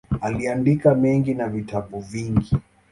Aliandika mengi na vitabu vingi.